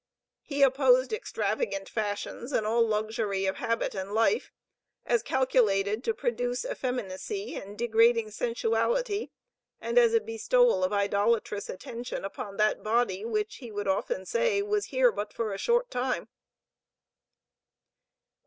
He opposed extravagant fashions and all luxury of habit and life, as calculated to produce effeminacy and degrading sensuality, and as a bestowal of idolatrous attention upon that body which he would often say "was here but for a short time."